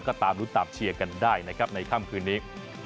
ก็ตามรุ้นตามเชียร์กันได้นะครับในค่ำคืนนี้